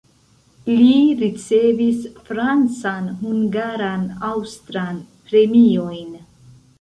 Li ricevis francan, hungaran, aŭstran premiojn.